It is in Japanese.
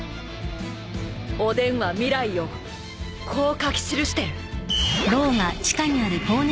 おでんは未来をこう書き記してる。